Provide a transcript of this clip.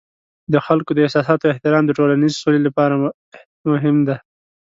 د خلکو د احساساتو احترام د ټولنیز سولې لپاره مهم دی.